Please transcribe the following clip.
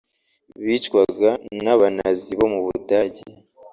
bicwaga n’aba-Nazis bo mu Budage